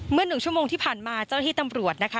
เมื่อหนึ่งชั่วโมงที่ผ่านมาเจ้าหน้าที่ตำรวจนะคะ